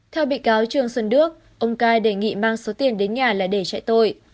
theo bị cáo trường xuân đức ông cai đề nghị mang số tiền đến nhà là để trại tội